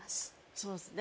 そうですね。